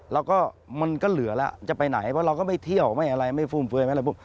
แล้วก็มันก็เหลือแล้วจะไปไหนเพราะเราก็ไม่เที่ยวไม่อะไรไม่ฟุ่มเฟือยไม่อะไรพวก